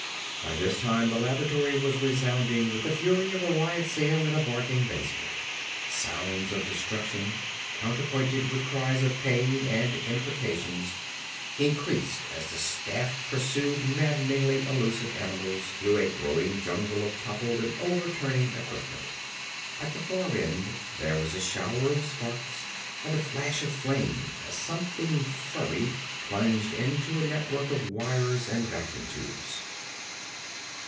By this time the laboratory was resounding with the fury of a riot sale in a bargain basement. Sounds of destruction, counterpointed with cries of pain and imprecations increased as the staff pursued maddeningly elusive animals through a growing jungle of toppled and overturning equipment. At the far end there was a shower of sparks and a flash of flame as something furry plunged into a network of wires and vacuum tubes.